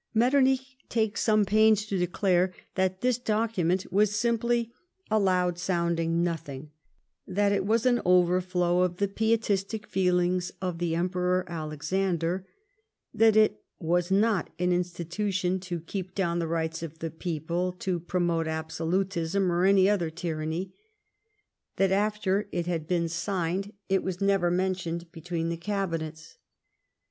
Metternich takes some pains to declare that this document was simply " a loud sounding nothing "; that it was " an overflow of the pietistic feelings of the Emperor Alexander "; that it " was not an institution to keep down the rights of the ])cople, to promote absolutism or any other tyranny "; that after it had been signed, it was 144 LIFE OF PBINCE METTEBNICH. never mentioned between the Cabinets.